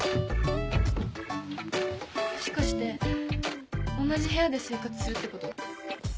もしかして同じ部屋で生活するってこと？